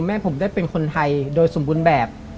แม่ผมได้เป็นคนไทยโดยสมบูรณ์แบบ